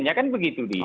ya kan begitu dia